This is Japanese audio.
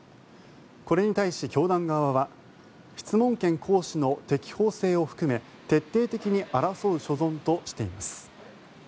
これに対し、教団側は質問権行使の適法性を含め徹底的に争う所存としています。